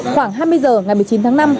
khoảng hai mươi h ngày một mươi chín tháng năm